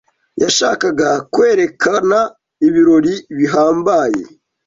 yashakaga kwerekana ibirori bihambaye.